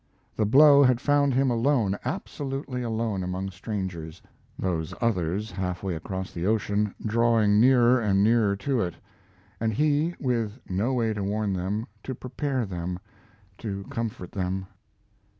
The blow had found him alone absolutely alone among strangers those others half way across the ocean, drawing nearer and nearer to it, and he with no way to warn them, to prepare them, to comfort them.